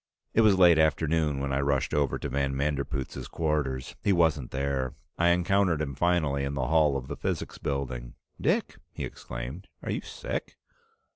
It was late afternoon when I rushed over to van Manderpootz's quarters. He wasn't there; I encountered him finally in the hall of the Physics Building. "Dick!" he exclaimed. "Are you sick?"